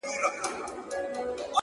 د دې مئين سړي اروا چي څوک په زړه وچيچي!!